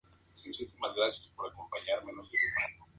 No hay planes para continuar el premio en su forma anterior.